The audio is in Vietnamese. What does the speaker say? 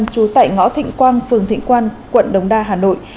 trú tại ngõ thịnh quang phường thịnh quang quận đống đa hà nội